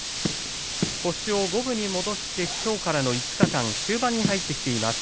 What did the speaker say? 星を五分に戻してきょうからの５日間終盤に入っています。